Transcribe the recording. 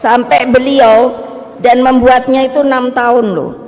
sampai beliau dan membuatnya itu enam tahun loh